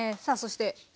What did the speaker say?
さあそして。